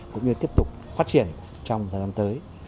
cũng như tiếp tục phát triển trong thời gian tới